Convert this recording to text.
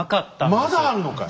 まだあるのかい？